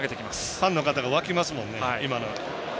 ファンの方が沸きますもんね。